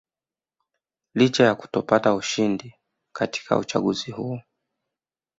Licha ya kutopata ushindi katika uchaguzi huo